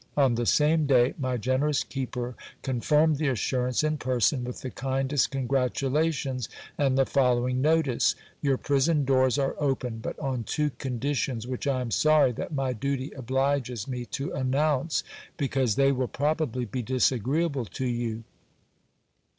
On the same c^ay my generous keeper confirmed the assurance in person, with the kindest congratulations, and the following notice: — Your prison doors are open, but on two conditions, which I am sorry that my duty obliges me to announce, because they will probably be disagreeable to you.